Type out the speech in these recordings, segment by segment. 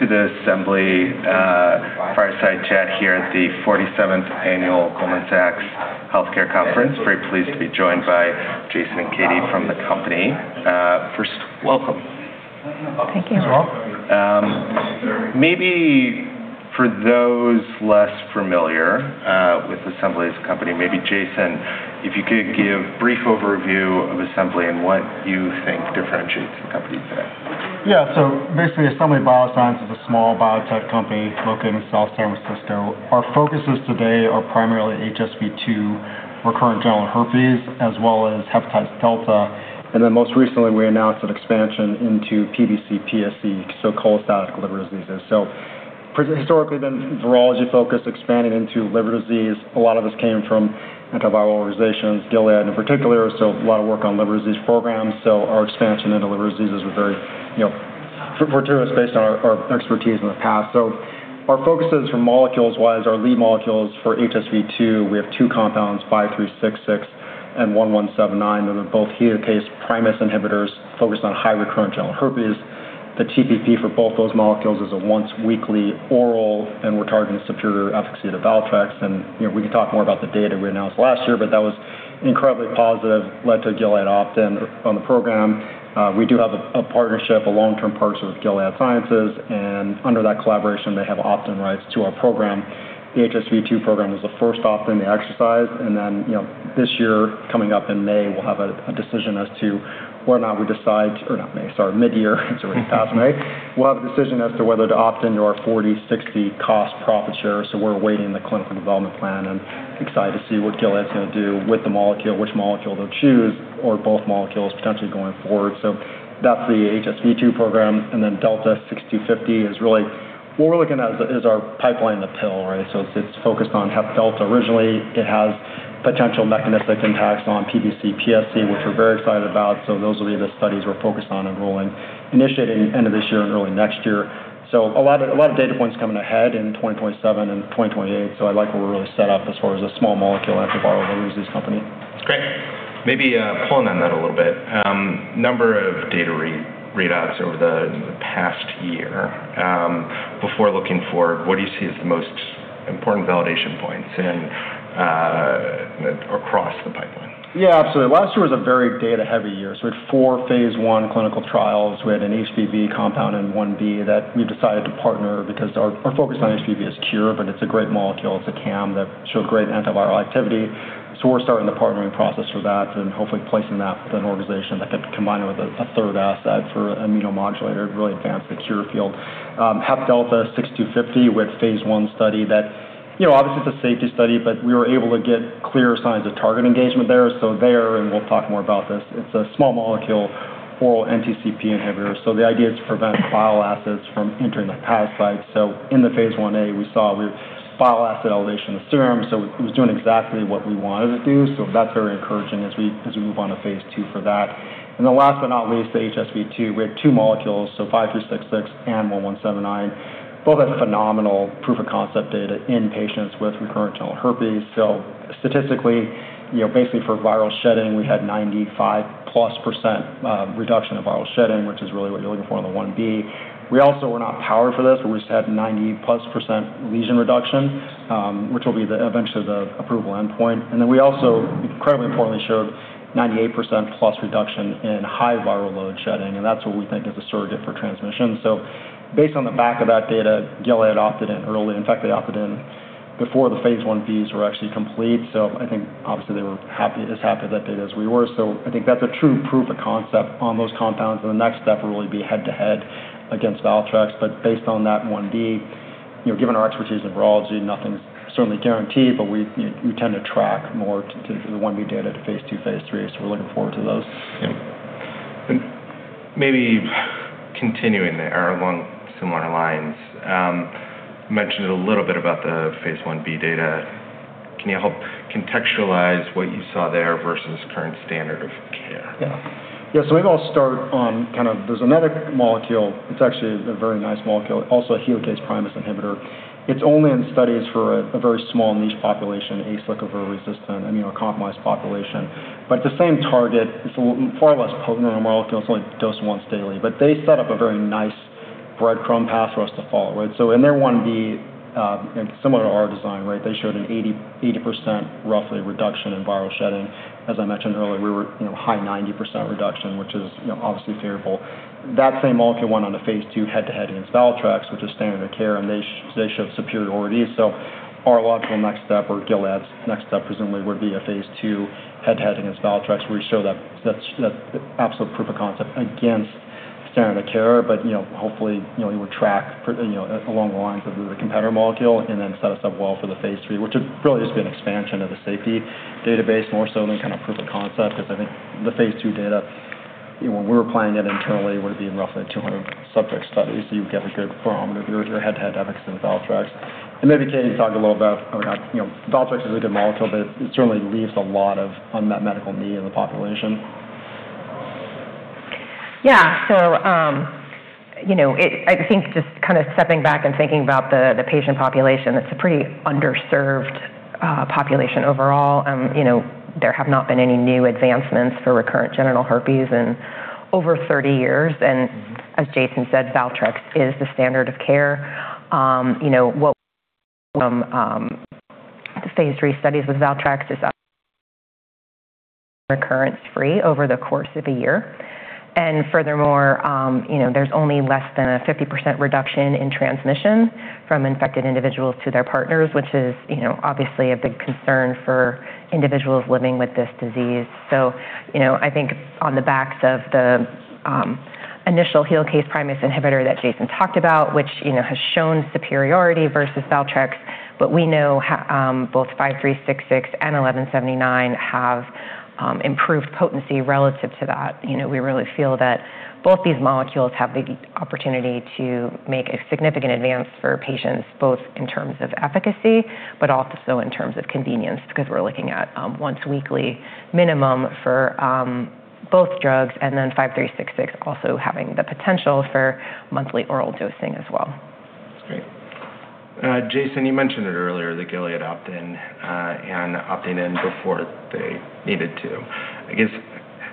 To the Assembly Fireside Chat here at the 47th Annual Goldman Sachs Healthcare Conference. Very pleased to be joined by Jason and Katie from the company. First, welcome. Thank you, Rob. Maybe for those less familiar with Assembly as a company, maybe Jason, if you could give a brief overview of Assembly and what you think differentiates the company today. Yeah. Basically, Assembly Biosciences is a small biotech company located in South San Francisco. Our focuses today are primarily HSV-2, recurrent genital herpes, as well as hepatitis delta. Most recently, we announced an expansion into PBC, PSC, so cholestatic liver diseases. Historically been virology focused, expanding into liver disease. A lot of us came from antiviral organizations, Gilead in particular, so a lot of work on liver disease programs. Our expansion into liver diseases was very fortuitous based on our expertise in the past. Our focuses for molecules-wise, our lead molecules for HSV-2, we have two compounds, 5366 and 1179, that are both helicase primase inhibitors focused on high recurrent genital herpes. The TPP for both those molecules is a once weekly oral. We're targeting superior efficacy to Valtrex. That was incredibly positive, led to Gilead opt-in on the program. We do have a long-term partnership with Gilead Sciences. Under that collaboration, they have opt-in rights to our program. The HSV-2 program was the first opt-in they exercised. This year, coming up in May, we'll have a decision as to whether to opt into our 40/60 cost profit share. We're awaiting the clinical development plan and excited to see what Gilead's going to do with the molecule, which molecule they'll choose, or both molecules potentially going forward. That's the HSV-2 program. Delta 6250 is really what we're looking at is our pipeline in the pill. It's focused on hep delta originally. It has potential mechanistic impacts on PBC, PSC, which we're very excited about. Those will be the studies we're focused on enrolling, initiating end of this year and early next year. A lot of data points coming ahead in 2027 and 2028. I like where we're really set up as far as a small molecule antiviral liver disease company. Great. Maybe pulling on that a little bit. Number of data readouts over the past year before looking forward, what do you see as the most important validation points across the pipeline? Yeah, absolutely. Last year was a very data-heavy year. We had four phase I clinical trials. We had an HBV compound in phase I-B that we decided to partner because our focus on HBV is cure. It's a great molecule. It's a CAM that showed great antiviral activity. We're starting the partnering process for that and hopefully placing that with an organization that could combine it with a third asset for immunomodulator to really advance the cure field. Hep delta 6250, we had phase I study. Obviously it's a safety study. We were able to get clear signs of target engagement there. There, and we'll talk more about this, it's a small molecule oral NTCP inhibitor. The idea is to prevent bile acids from entering the hepatocyte. In the phase I-A, we saw bile acid elevation in the serum. It was doing exactly what we wanted it to do. That's very encouraging as we move on to phase II for that. Last but not least, the HSV-2. We had two molecules, 5366 and 1179. Both had phenomenal proof of concept data in patients with recurrent genital herpes. Statistically, basically for viral shedding, we had 95+% reduction of viral shedding, which is really what you're looking for in the phase I-B. We also were not powered for this, but we just had 90+% lesion reduction, which will be eventually the approval endpoint. We also incredibly importantly showed 98%+ reduction in high viral load shedding, and that's what we think is a surrogate for transmission. Based on the back of that data, Gilead opted in early. In fact, they opted in before the phase I-Bs were actually complete. I think obviously they were as happy with that data as we were. I think that's a true proof of concept on those compounds, and the next step will really be head-to-head against Valtrex. Based on that phase I-B, given our expertise in virology, nothing's certainly guaranteed, but we tend to track more the phase I-B data to phase II, phase III. We're looking forward to those. Maybe continuing there along similar lines. You mentioned a little bit about the phase I-B data. Can you help contextualize what you saw there versus current standard of care? Yeah. Maybe I'll start on there's another molecule. It's actually a very nice molecule, also a helicase-primase inhibitor. It's only in studies for a very small niche population, acyclovir-resistant immunocompromised population. The same target, it's a far less potent molecule, it's only dosed once daily. They set up a very nice breadcrumb path for us to follow. In their phase I-B, similar to our design, they showed an 80%, roughly, reduction in viral shedding. As I mentioned earlier, we were high 90% reduction, which is obviously favorable. That same molecule went on to phase II head-to-head against Valtrex, which is standard of care, and they showed superiority. Our logical next step, or Gilead's next step, presumably, would be a phase II head-to-head against Valtrex where we show that absolute proof of concept against standard of care. Hopefully, it would track along the lines of the competitor molecule and then set us up well for the phase III, which would really just be an expansion of the safety database more so than proof of concept, because I think the phase II data, when we're applying it internally, would be in roughly 200-subject studies. You would get a good parameter with your head-to-head efficacy with Valtrex. Maybe Katie can talk a little about how Valtrex is a good molecule, but it certainly leaves a lot of unmet medical need in the population. I think just stepping back and thinking about the patient population, it's a pretty underserved population overall. There have not been any new advancements for recurrent genital herpes in over 30 years, as Jason said, Valtrex is the standard of care. Phase III studies with Valtrex is recurrence-free over the course of a year. Furthermore, there's only less than a 50% reduction in transmission from infected individuals to their partners, which is obviously a big concern for individuals living with this disease. I think on the backs of the initial helicase-primase inhibitor that Jason talked about, which has shown superiority versus Valtrex, but we know both 5366 and 1179 have improved potency relative to that. We really feel that both these molecules have the opportunity to make a significant advance for patients, both in terms of efficacy, but also in terms of convenience, because we're looking at once-weekly minimum for both drugs, and then 5366 also having the potential for monthly oral dosing as well. That's great. Jason, you mentioned it earlier that Gilead opt-in and opting in before they needed to. I guess,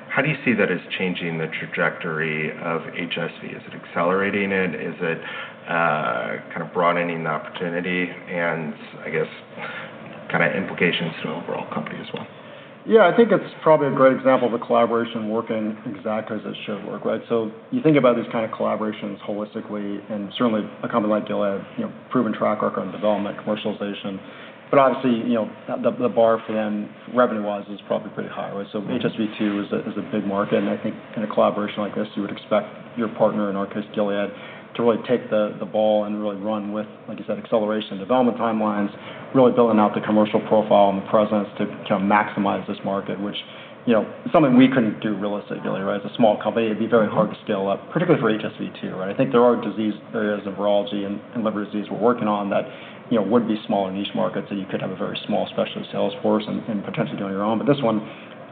how do you see that as changing the trajectory of HSV? Is it accelerating it? Is it kind of broadening the opportunity and I guess, kind of implications to an overall company as well? I think it's probably a great example of the collaboration working exactly as it should work, right? You think about these kind of collaborations holistically and certainly a company like Gilead, proven track record on development, commercialization. Obviously, the bar for them revenue-wise is probably pretty high, right? HSV-2 is a big market, and I think in a collaboration like this, you would expect your partner, in our case, Gilead, to really take the ball and really run with, like you said, acceleration and development timelines, really building out the commercial profile and the presence to maximize this market, which is something we couldn't do realistically, right? As a small company, it'd be very hard to scale up, particularly for HSV-2, right? I think there are disease areas of virology and liver disease we're working on that would be smaller niche markets that you could have a very small specialist sales force and potentially do on your own. This one,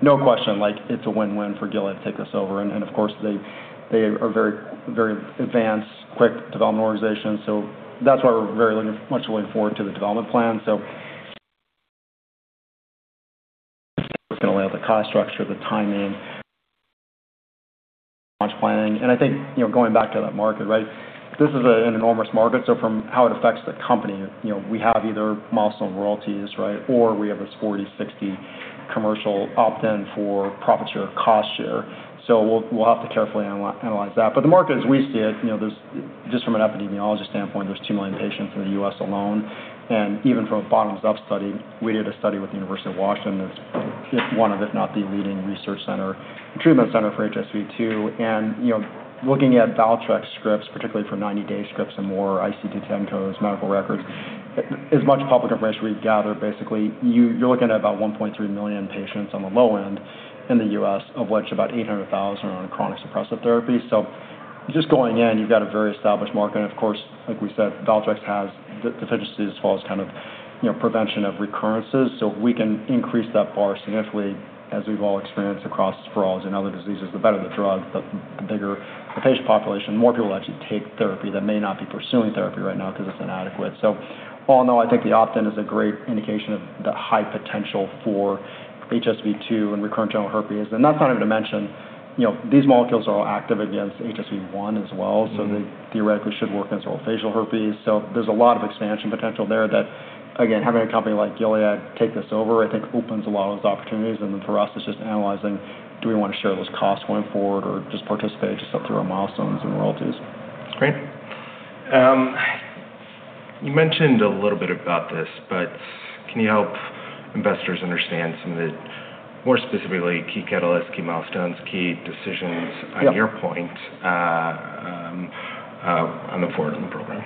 no question, it's a win-win for Gilead to take this over. Of course, they are very advanced, quick development organization, that's why we're very much looking forward to the development plan. Was going to lay out the cost structure, the timing, launch planning, and I think, going back to that market, right? This is an enormous market. From how it affects the company, we have either milestone royalties, right, or we have a 40/60 commercial opt-in for profit share, cost share. We'll have to carefully analyze that. The market as we see it, just from an epidemiology standpoint, there are 2 million patients in the U.S. alone. Even from a bottoms-up study, we did a study with the University of Washington that's one of, if not the leading research center, treatment center for HSV-2. Looking at Valtrex scripts, particularly for 90-day scripts and more ICD-10 codes, medical records, as much public information as we could gather, basically, you're looking at about 1.3 million patients on the low end in the U.S., of which about 800,000 are on chronic suppressive therapy. Just going in, you've got a very established market. Of course, like we said, Valtrex has deficiencies as far as kind of prevention of recurrences. If we can increase that bar significantly, as we've all experienced across virology and other diseases, the better the drug, the bigger the patient population, more people actually take therapy that may not be pursuing therapy right now because it's inadequate. All in all, I think the opt-in is a great indication of the high potential for HSV-2 and recurrent genital herpes. That's not even to mention these molecules are all active against HSV-1 as well, they theoretically should work as oral facial herpes. There's a lot of expansion potential there that, again, having a company like Gilead take this over, I think opens a lot of those opportunities. Then for us, it's just analyzing, do we want to share those costs going forward or just participate just up through our milestones and royalties? Great. You mentioned a little bit about this, can you help investors understand some of the more specifically key catalysts, key milestones, key decisions on your point on the forward in the program?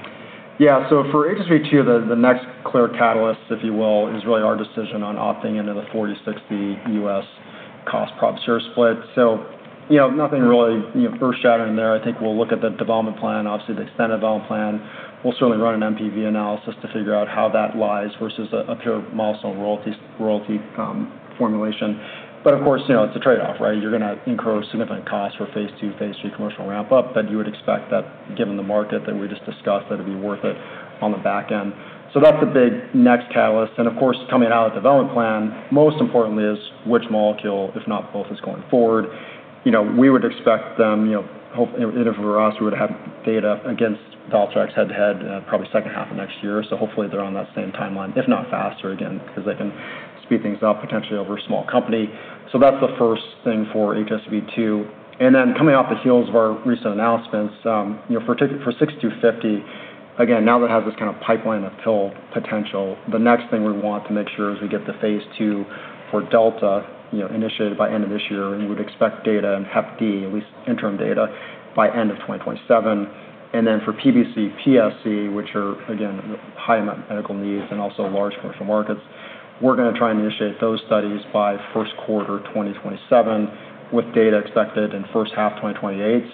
Yeah. For HSV-2, the next clear catalyst, if you will, is really our decision on opting into the 40/60 U.S. cost profit share split. Nothing really earth-shattering there. I think we'll look at the development plan, obviously the extended development plan. We'll certainly run an NPV analysis to figure out how that lies versus a pure milestone royalty formulation. Of course, it's a trade-off, right? You're going to incur significant costs for phase II, phase III commercial ramp up, but you would expect that given the market that we just discussed, that it'd be worth it on the back end. That's the big next catalyst. Of course, coming out of the development plan, most importantly is which molecule, if not both, is going forward. We would expect them, if it were us, we would have data against Valtrex head-to-head probably second half of next year. Hopefully they're on that same timeline, if not faster, again, because they can speed things up potentially over a small company. That's the first thing for HSV-2. Coming off the heels of our recent announcements, for 6250, again, now that it has this kind of pipeline of pill potential, the next thing we want to make sure is we get the phase II for delta initiated by end of this year, and we would expect data in HDV, at least interim data, by end of 2027. For PBC, PSC, which are again, high medical needs and also large commercial markets, we're going to try and initiate those studies by first quarter 2027 with data expected in first half 2028.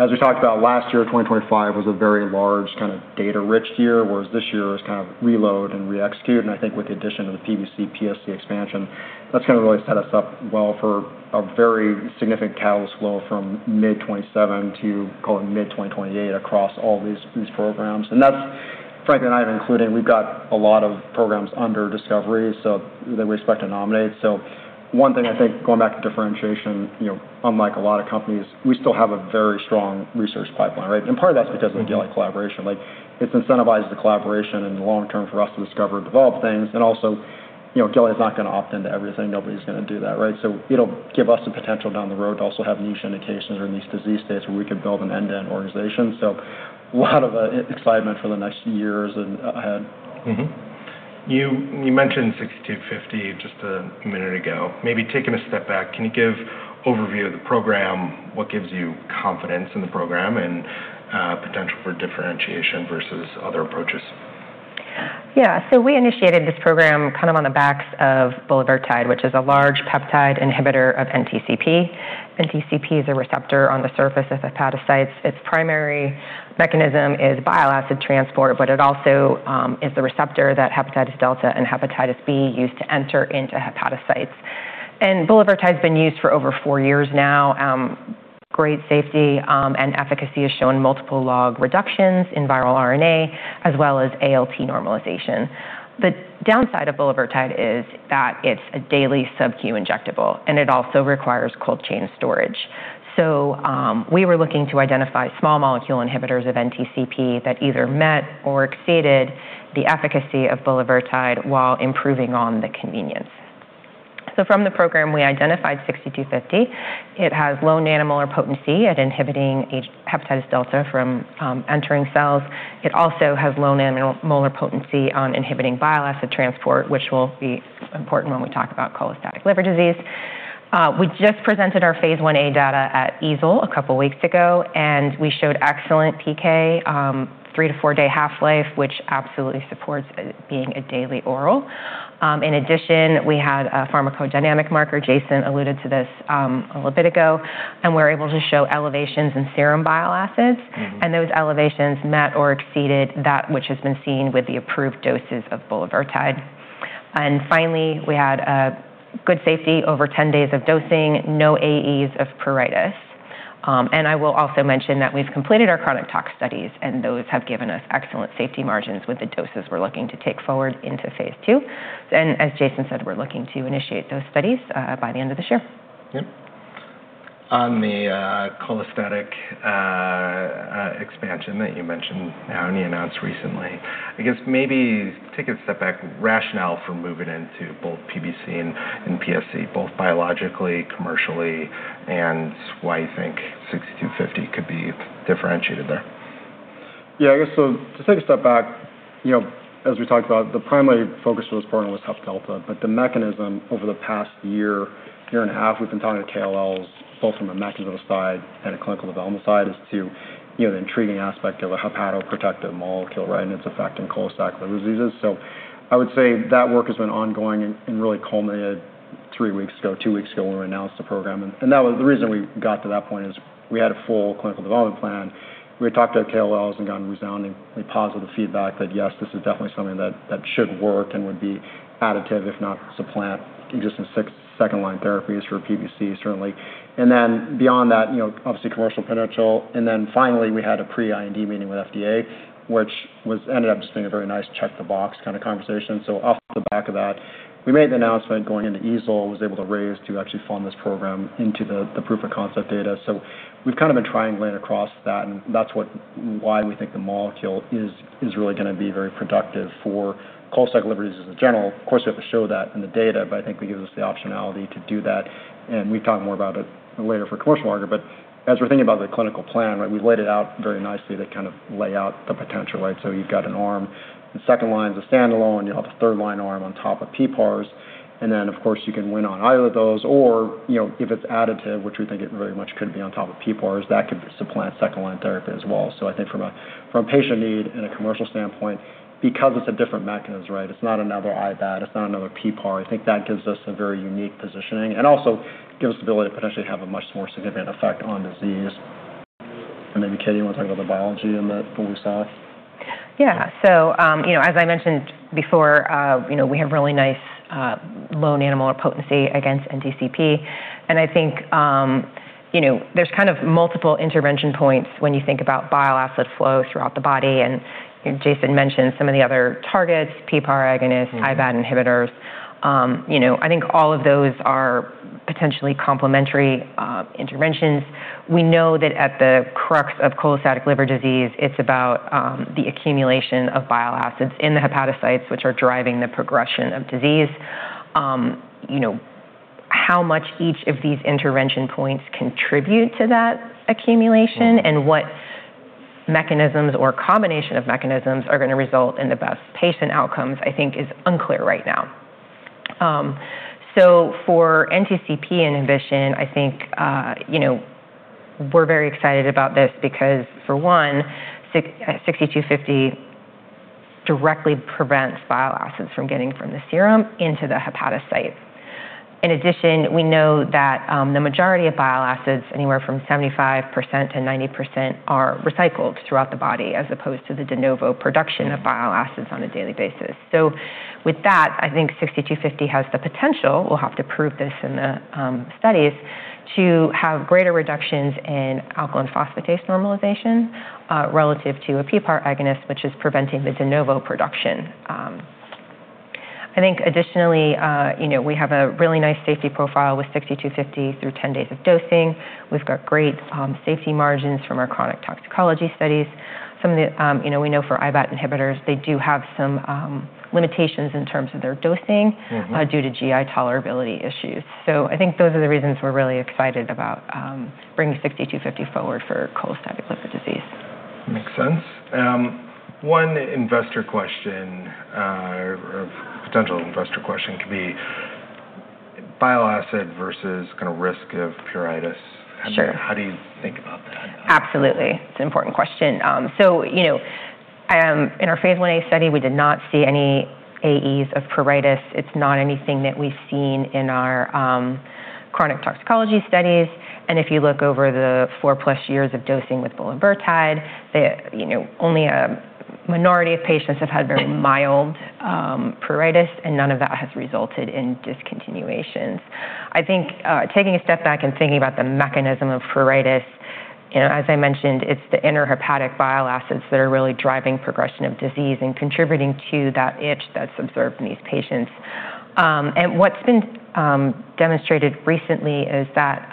As we talked about last year, 2025 was a very large kind of data-rich year, whereas this year is kind of reload and re-execute. I think with the addition of the PBC, PSC expansion, that's going to really set us up well for a very significant catalyst flow from mid 2027 to mid 2028 across all these programs. That's Frank and I have included, we've got a lot of programs under discovery, so that we expect to nominate. One thing I think going back to differentiation, unlike a lot of companies, we still have a very strong research pipeline, right? Part of that's because of the Gilead collaboration. It's incentivized the collaboration in the long term for us to discover and develop things. Also Gilead's not going to opt into everything. Nobody's going to do that. It'll give us the potential down the road to also have niche indications or niche disease states where we could build an end-to-end organization. A lot of excitement for the next years ahead. You mentioned 6250 just a minute ago. Maybe taking a step back, can you give overview of the program, what gives you confidence in the program, and potential for differentiation versus other approaches? Yeah. We initiated this program on the backs of bulevirtide, which is a large peptide inhibitor of NTCP. NTCP is a receptor on the surface of hepatocytes. Its primary mechanism is bile acid transport, but it also is the receptor that hepatitis delta and hepatitis B use to enter into hepatocytes. Bulevirtide has been used for over four years now. Great safety and efficacy has shown multiple log reductions in viral RNA as well as ALT normalization. The downside of bulevirtide is that it's a daily subcu injectable, and it also requires cold chain storage. We were looking to identify small molecule inhibitors of NTCP that either met or exceeded the efficacy of bulevirtide while improving on the convenience. From the program, we identified 6250. It has low nanomolar potency at inhibiting hepatitis delta from entering cells. It also has low nanomolar potency on inhibiting bile acid transport, which will be important when we talk about cholestatic liver disease. We just presented our phase I-A data at EASL a couple of weeks ago. We showed excellent PK, three- to four-day half-life, which absolutely supports it being a daily oral. In addition, we had a pharmacodynamic marker, Jason alluded to this a little bit ago. We were able to show elevations in serum bile acids. Those elevations met or exceeded that which has been seen with the approved doses of bulevirtide. Finally, we had good safety over 10 days of dosing, no AEs of pruritus. I will also mention that we've completed our chronic tox studies, and those have given us excellent safety margins with the doses we're looking to take forward into phase II. As Jason said, we're looking to initiate those studies by the end of this year. Yep. On the cholestatic expansion that you mentioned and you announced recently, I guess maybe take a step back, rationale for moving into both PBC and PSC, both biologically, commercially, and why you think 6250 could be differentiated there. Yeah, I guess to take a step back, as we talked about, the primary focus for this program was hep delta. The mechanism over the past year and a half, we've been talking to KOLs, both from a mechanism side and a clinical development side, as to the intriguing aspect of a hepatoprotective molecule and its effect in cholestatic liver diseases. I would say that work has been ongoing and really culminated three weeks ago, two weeks ago, when we announced the program. The reason we got to that point is we had a full clinical development plan. We had talked to KOLs and gotten resoundingly positive feedback that, yes, this is definitely something that should work and would be additive, if not supplant, existing second-line therapies for PBC, certainly. Beyond that, obviously commercial potential. Finally, we had a pre-IND meeting with FDA, which ended up just being a very nice check-the-box kind of conversation. Off the back of that, we made the announcement going into EASL, was able to raise to actually fund this program into the proof of concept data. We've kind of been triangulating across that, and that's why we think the molecule is really going to be very productive for cholestatic liver disease in general. Of course, we have to show that in the data, but I think it gives us the optionality to do that. We've talked more about it later for commercial market. As we're thinking about the clinical plan, we've laid it out very nicely to kind of lay out the potential. You've got an arm, the second line is a standalone, you'll have the third line arm on top of PPARs. Then, of course, you can win on either of those, or if it's additive, which we think it very much could be on top of PPARs, that could supplant second-line therapy as well. I think from a patient need and a commercial standpoint, because it's a different mechanism, it's not another IBAT, it's not another PPAR, I think that gives us a very unique positioning and also gives us the ability to potentially have a much more significant effect on disease. And maybe, Katie, you want to talk about the biology in the cholestatic? Yeah. As I mentioned before, we have really nice low nanomolar potency against NTCP. I think there's kind of multiple intervention points when you think about bile acid flow throughout the body, and Jason mentioned some of the other targets, PPAR agonists IBAT inhibitors. I think all of those are potentially complementary interventions. We know that at the crux of cholestatic liver disease, it's about the accumulation of bile acids in the hepatocytes, which are driving the progression of disease. How much each of these intervention points contribute to that accumulation and what mechanisms or combination of mechanisms are going to result in the best patient outcomes, I think is unclear right now. For NTCP inhibition, I think we're very excited about this because, for one, 6250 directly prevents bile acids from getting from the serum into the hepatocyte. In addition, we know that the majority of bile acids, anywhere from 75%-90%, are recycled throughout the body as opposed to the de novo production of bile acids on a daily basis. With that, I think 6250 has the potential, we'll have to prove this in the studies, to have greater reductions in alkaline phosphatase normalization relative to a PPAR agonist, which is preventing the de novo production. I think additionally, we have a really nice safety profile with 6250 through 10 days of dosing. We've got great safety margins from our chronic toxicology studies. Some of the, we know for IBAT inhibitors, they do have some limitations in terms of their dosing due to GI tolerability issues. I think those are the reasons we're really excited about bringing 6250 forward for cholestatic liver disease. Makes sense. One investor question, or potential investor question could be bile acid versus risk of pruritus. Sure. How do you think about that? Absolutely. It's an important question. In our phase I-A study, we did not see any AEs of pruritus. It's not anything that we've seen in our chronic toxicology studies. If you look over the 4+ years of dosing with bulevirtide, only a minority of patients have had very mild pruritus, and none of that has resulted in discontinuations. I think taking a step back and thinking about the mechanism of pruritus, as I mentioned, it's the intrahepatic bile acids that are really driving progression of disease and contributing to that itch that's observed in these patients. What's been demonstrated recently is that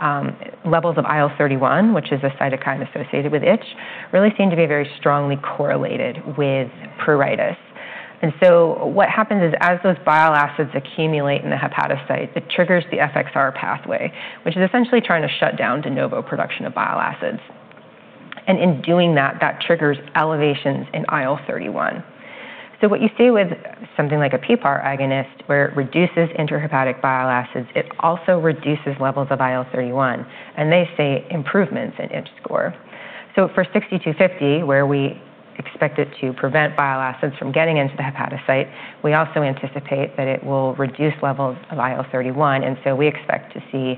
levels of IL-31, which is a cytokine associated with itch, really seem to be very strongly correlated with pruritus. What happens is as those bile acids accumulate in the hepatocyte, it triggers the FXR pathway, which is essentially trying to shut down de novo production of bile acids. In doing that triggers elevations in IL-31. What you see with something like a PPAR agonist, where it reduces intrahepatic bile acids, it also reduces levels of IL-31, and they see improvements in itch score. For 6250, where we expect it to prevent bile acids from getting into the hepatocyte, we also anticipate that it will reduce levels of IL-31, and we expect to see,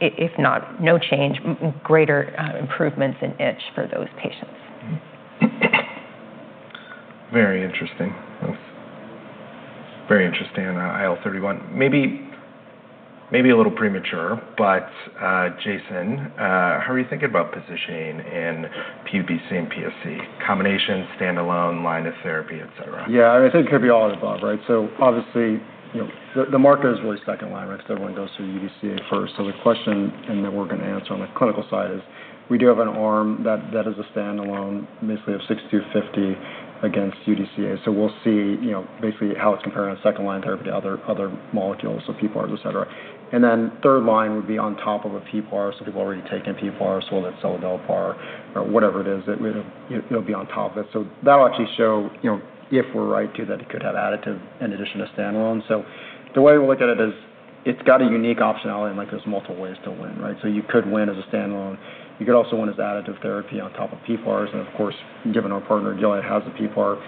if not no change, greater improvements in itch for those patients. Very interesting. That's very interesting on IL-31. Maybe a little premature, Jason, how are you thinking about positioning in PBC and PSC? Combination, standalone, line of therapy, et cetera. I think it could be all of the above, right? Obviously, the market is really second line, right? Everyone goes through UDCA first. The question, and that we're going to answer on the clinical side is, we do have an arm that is a standalone, basically of 6250 against UDCA. We'll see basically how it's comparing to second-line therapy to other molecules, PPARs, et cetera. Then third line would be on top of a PPAR, so people already taking PPAR, whether that's seladelpar or whatever it is, it'll be on top of it. That'll actually show if we're right too, that it could have additive in addition to standalone. The way we look at it is it's got a unique optionality and there's multiple ways to win, right? You could win as a standalone. You could also win as additive therapy on top of PPARs, of course, given our partner Gilead has a PPAR,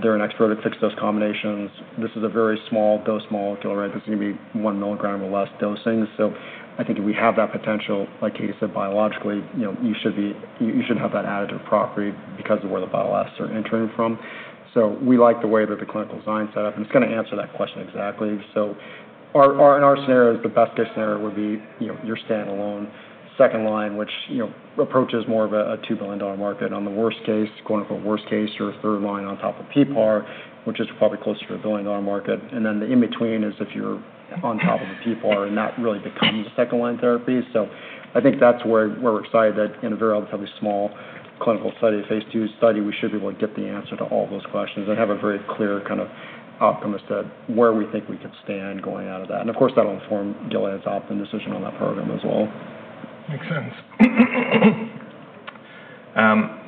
they're an expert at fixing those combinations. This is a very small dose molecule, right? This is going to be 1 mg or less dosing. I think we have that potential, like Katie said, biologically you should have that additive property because of where the bile acids are entering from. We like the way that the clinical design is set up, and it's going to answer that question exactly. In our scenarios, the best-case scenario would be you're standalone, second line, which approaches more of a $2 billion market. On the worst case, going for worst case or third line on top of PPAR, which is probably closer to a $1 billion market. The in-between is if you're on top of the PPAR and not really become the second-line therapy. I think that's where we're excited that in a very relatively small clinical study, phase II study, we should be able to get the answer to all those questions and have a very clear kind of optimism where we think we could stand going out of that. Of course, that'll inform Gilead's opinion decision on that program as well. Makes sense.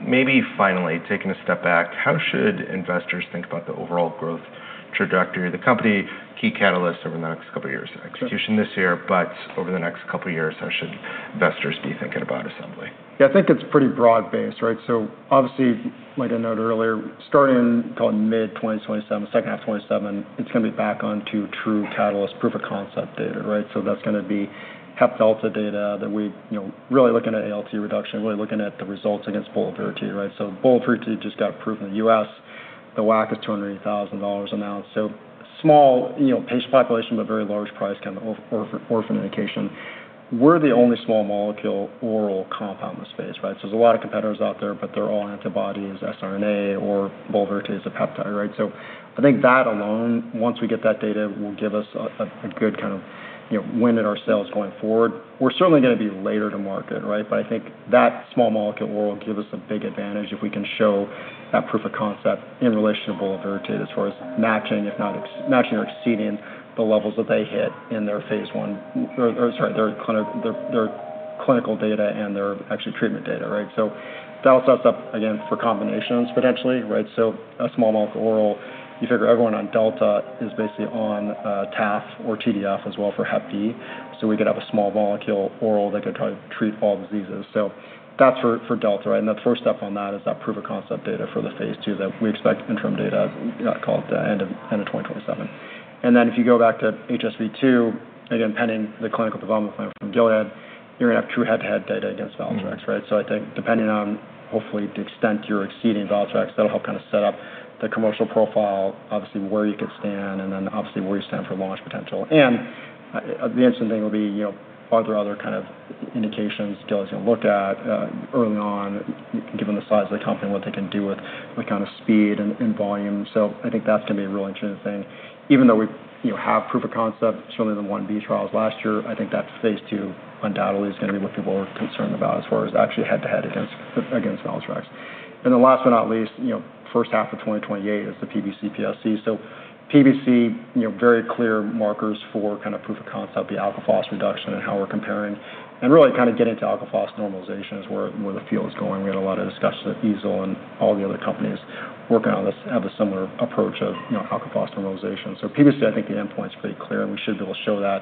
Maybe finally, taking a step back, how should investors think about the overall growth trajectory of the company, key catalysts over the next couple of years? Execution this year, but over the next couple of years, how should investors be thinking about Assembly? I think it's pretty broad-based, right? Obviously, like I noted earlier, starting mid-2027, second half of 2027, it's going to be back onto true catalyst proof of concept data, right? That's going to be hep delta data that we're really looking at ALT reduction, really looking at the results against bulevirtide, right? Bulevirtide just got approved in the U.S. The WAC is $280,000 a month. Small patient population, but very large price kind of orphan indication. We're the only small molecule oral compound in the space, right? There's a lot of competitors out there, but they're all antibodies, siRNA, or bulevirtide is a peptide, right? I think that alone, once we get that data, will give us a good kind of win in our sales going forward. We're certainly going to be later to market, right? I think that small molecule will give us a big advantage if we can show that proof of concept in relation to bulevirtide as far as matching or exceeding the levels that they hit in their clinical data and their actual treatment data, right? That all sets up, again, for combinations potentially, right? A small molecule oral, you figure everyone on delta is basically on TAF or TDF as well for hep B. We could have a small molecule oral that could probably treat all diseases. That's for delta, right? The first step on that is that proof of concept data for the phase II that we expect interim data called end of 2027. If you go back to HSV-2, again, pending the clinical development plan from Gilead, you're going to have true head-to-head data against Valtrex, right? I think depending on hopefully the extent you're exceeding Valtrex, that'll help set up the commercial profile, obviously where you could stand, and then obviously where you stand for launch potential. The interesting thing will be are there other kind of indications Gilead's going to look at early on, given the size of the company, what they can do with the kind of speed and volume. I think that's going to be a really interesting thing. Even though we have proof of concept, certainly the phase I-B trials last year, I think that phase II undoubtedly is going to be what people are concerned about as far as actually head-to-head against Valtrex. Then last but not least, first half of 2028 is the PBC, PSC. PBC, very clear markers for kind of proof of concept, the alk phos reduction and how we're comparing and really getting into alk phos normalization is where the field is going. We had a lot of discussion at EASL. All the other companies working on this have a similar approach of alk phos normalization. PBC, I think the endpoint's pretty clear, and we should be able to show that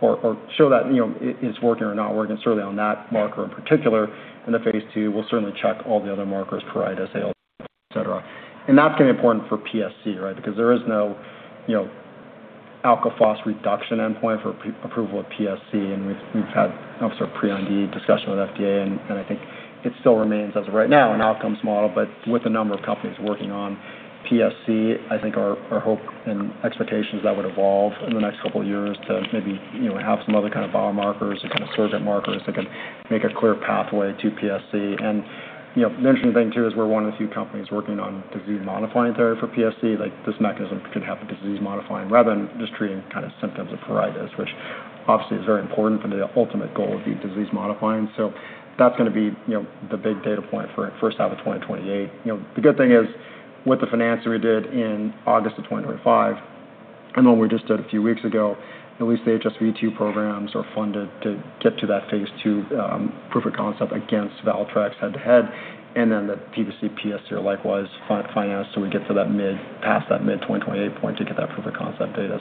it's working or not working, certainly on that marker in particular. In the phase II, we'll certainly check all the other markers, pruritus, ALT, et cetera. That's going to be important for PSC, right? Because there is no alk phos reduction endpoint for approval of PSC. We've had pre-IND discussion with FDA, and I think it still remains, as of right now, an outcomes model. With a number of companies working on PSC, I think our hope and expectations that would evolve in the next couple of years to maybe have some other kind of biomarkers or kind of surrogate markers that can make a clear pathway to PSC. The interesting thing, too, is we're one of the few companies working on disease-modifying therapy for PSC. This mechanism could have a disease modifying rather than just treating symptoms of pruritus, which obviously is very important, but the ultimate goal would be disease modifying. That's going to be the big data point for first half of 2028. The good thing is with the financing we did in August of 2025, and what we just did a few weeks ago, at least the HSV-2 programs are funded to get to that phase II proof of concept against Valtrex head to head, and then the PBC, PSC are likewise financed so we get to past that mid-2028 point to get that proof of concept data.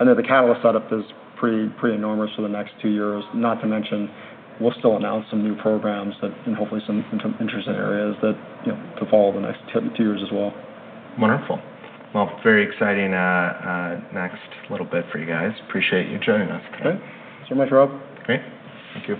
I know the catalyst setup is pretty enormous for the next two years. Not to mention, we'll still announce some new programs that, and hopefully in some interesting areas to follow the next two years as well. Wonderful. Well, very exciting next little bit for you guys. Appreciate you joining us today. Sure. Thanks so much, Rob. Great. Thank you.